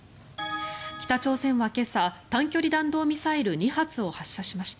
北朝鮮は今朝短距離弾道ミサイル２発を発射しました。